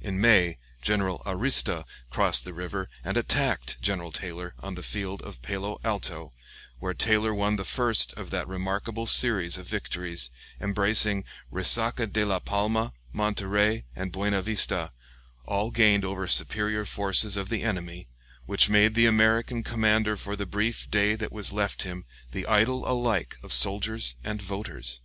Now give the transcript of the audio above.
In May, General Arista crossed the river and attacked General Taylor on the field of Palo Alto, where Taylor won the first of that remarkable series of victories, embracing Resaca de la Palma, Monterey, and Buena Vista, all gained over superior forces of the enemy, which made the American commander for the brief day that was left him the idol alike of soldiers and voters.